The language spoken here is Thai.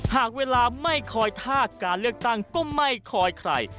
หากเวลาไม่คอยท่าการเลือกตั้งก็ไม่คอยใคร